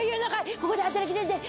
ここで働きたいんです。